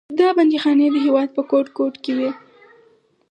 دا بندیخانې د هېواد په ګوټ ګوټ کې وې.